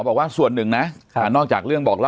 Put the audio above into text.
สวัสดีครับทุกผู้ชม